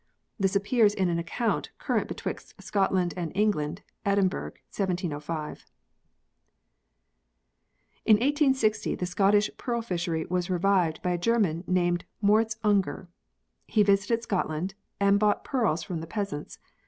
(This appears in an account current betwixt Scotland and England, Edinburgh 1705.) In 1860 the Scottish pearl fishery was revived by a German named Moritz linger. He visited Scotland and bought pearls from the peasants.